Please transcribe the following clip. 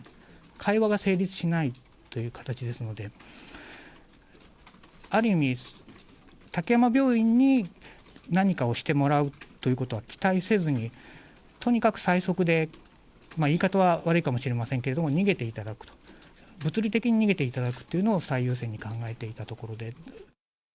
会話が成立しないという形ですので、ある意味、滝山病院に何かをしてもらうということは期待せずに、とにかく最速で、言い方は悪いかもしれないけど、逃げていただくと、物理的に逃げていただくというのを最優先に考えていたところで。